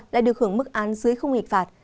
đã được hưởng mức án dưới không hình phạt